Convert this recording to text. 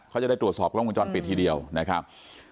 เขาจะได้ตรวจสอบกล้องวงจรปิดทีเดียวนะครับ